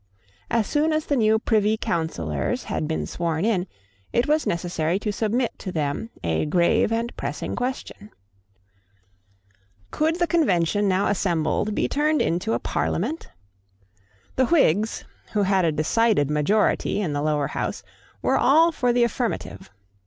As soon as the new Privy Councillors had been sworn in, it was necessary to submit to them a grave and pressing question. Could the Convention now assembled be turned into a Parliament? The Whigs, who had a decided majority in the Lower House, were all for the affirmative.